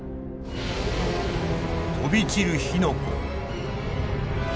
飛び散る火の粉。